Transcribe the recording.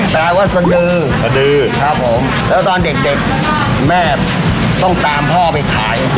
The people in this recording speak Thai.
แปลว่าสนรคสนรคครับผมแล้วตอนเด็กเด็กแม่ต้องพ่อไปท้าย